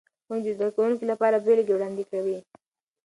ښوونکي د زده کوونکو لپاره بیلګې وړاندې کوي.